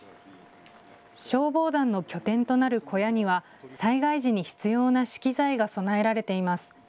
消防団の拠点となる小屋には災害時に必要な資機材が備えられています。